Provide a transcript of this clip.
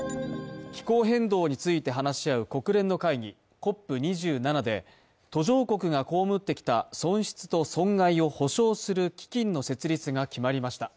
気候変動について話し合う国連の会議、ＣＯＰ２７で途上国が被ってきた損失と損害を補償する基金の設立が決まりました。